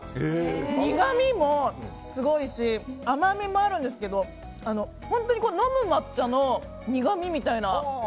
苦味もすごいし甘みもあるんですけど本当に飲む抹茶の苦みみたいな。